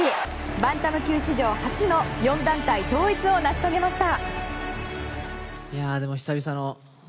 バンタム級史上初の４団体統一を成し遂げました。